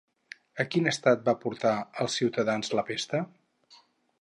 A quin estat va portar als ciutadans la pesta?